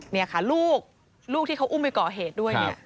นี่ค่ะลูกลูกที่เขาอุ้มไปก่อเหตุด้วยเนี่ย